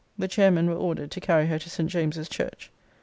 The chairmen were ordered to carry her to St. James's Church.